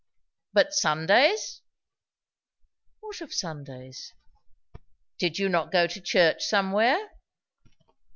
"But Sundays?" "What of Sundays?" "Did you not go to church somewhere?"